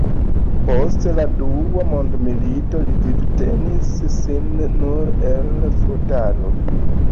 Post la dua mondmilito li vivtenis sin nur el fotado.